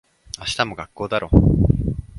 明日も学校だろ。